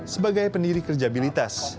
sebagai pendiri kerjabilitas